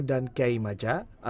dan kiai maja atau kekawasannya